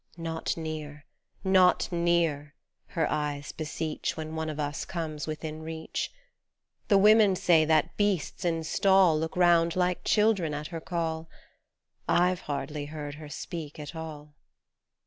" Not near, not near !" her eyes beseech When one of us comes within reach. The women say that beasts in stall Look round like children at her call. I've hardly heard her speak at all.